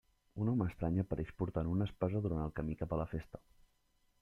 Un home estrany apareix portant una espasa durant el camí cap a la festa.